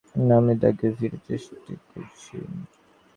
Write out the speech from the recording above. আমি তাকে ফিরে পেতে চেষ্টা করছি!